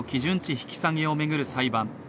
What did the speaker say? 引き下げを巡る裁判。